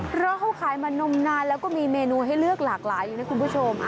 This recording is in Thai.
เพราะเขาขายมานมนานแล้วก็มีเมนูให้เลือกหลากหลายเลยนะคุณผู้ชม